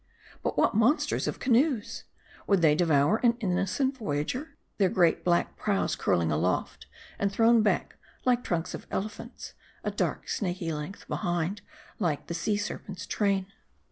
But what monsters of canoes ! Would they devour an innocent voyager ? thei]?. great black prows curling aloft, and thrown back like trunks of elephants ; a dark, snaky length behind, like the sea serpent's train.